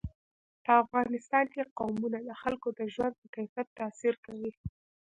په افغانستان کې قومونه د خلکو د ژوند په کیفیت تاثیر کوي.